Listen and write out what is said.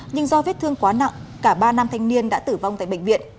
nhưng do vết thương quá nặng cả ba nam thanh niên đã tử vong tại bệnh viện